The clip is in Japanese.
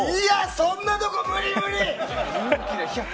そんなところ無理無理！